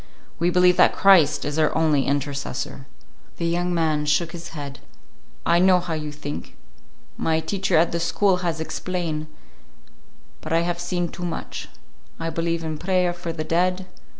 We believe that Christ is our only intercessor." The young man shook his head. "I know how you think. My teacher at the school has explain. But I have seen too much. I believe in prayer for the dead.